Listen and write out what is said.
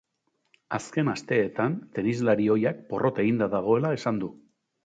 Azken asteetan, tenislari ohiak porrot eginda dagoela esan du.